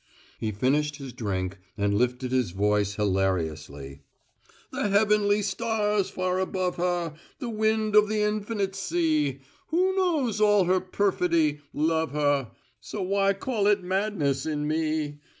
He finished his drink and lifted his voice hilariously: "The heavenly stars far above her, The wind of the infinite sea, Who know all her perfidy, love her, So why call it madness in me?